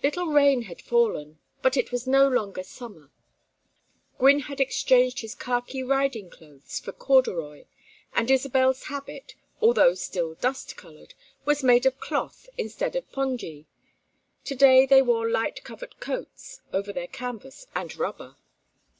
Little rain had fallen, but it was no longer summer. Gwynne had exchanged his khaki riding clothes for corduroy; and Isabel's habit, although still dust colored, was made of cloth instead of pongee. To day they wore light covert coats over their canvas and rubber.